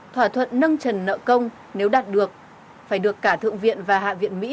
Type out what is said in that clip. thỏa thuận nâng trần nợ công nếu đạt được phải được cả thượng viện và hạ viện mỹ